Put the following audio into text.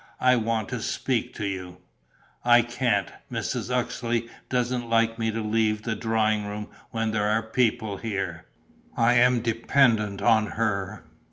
I want to speak to you...." "I can't: Mrs. Uxeley doesn't like me to leave the drawing room when there are people here. I am dependent on her."